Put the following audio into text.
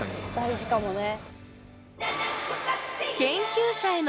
大事かもね。